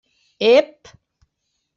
Ep!